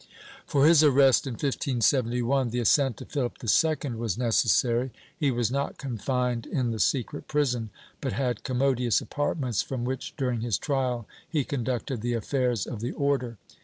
For his arrest, in 1571, the assent of Philip II was necessary; he was not confined in the secret prison, but had com modious apartments from which, during his trial, he conducted the affairs of the Order.